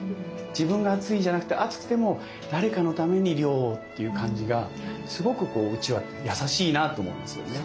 自分が暑いじゃなくて暑くても誰かのために涼をっていう感じがすごくうちわって優しいなと思うんですよね。